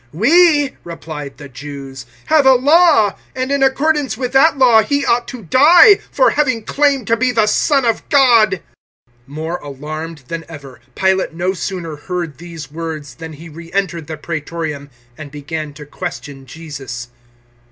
019:007 "We," replied the Jews, "have a Law, and in accordance with that Law he ought to die, for having claimed to be the Son of God." 019:008 More alarmed than ever, Pilate no sooner heard these words than he re entered the Praetorium and began to question Jesus.